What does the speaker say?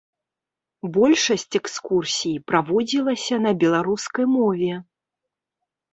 Большасць экскурсій праводзілася на беларускай мове.